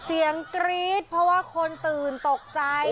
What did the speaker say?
เสียงกรี๊ดเพราะว่าคนตื่นตกจ้าย